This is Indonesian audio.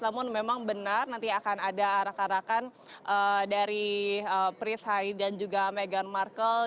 namun memang benar nanti akan ada arak arakan dari price hai dan juga meghan markle